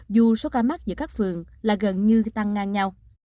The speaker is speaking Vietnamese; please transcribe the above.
dù số ca mắc giữa các phường là gần như tăng ngang nhau